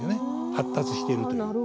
発達しているという。